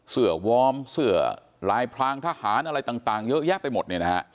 เสื้อวอร์มเสื้อลายพลางทหารอะไรต่างเยอะแยะไปหมด